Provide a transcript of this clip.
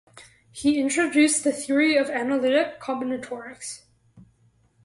He introduced the theory of analytic combinatorics.